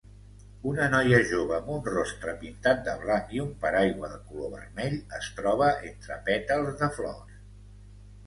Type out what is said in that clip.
Una noia jove amb un rostre pintat de blanc i un paraigua de color vermell es troba entre pètals de flors.